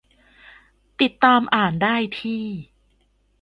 - ติดตามอ่านได้ที่